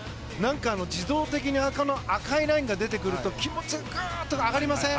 自動的に赤いラインが出てくると気持ちが上がりません？